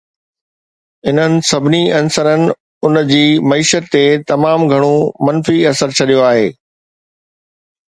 انهن سڀني عنصرن ان جي معيشت تي تمام گهڻو منفي اثر ڇڏيو آهي.